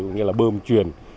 cũng như là bơm truyền